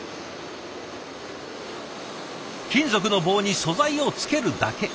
金属の棒に素材をつけるだけ。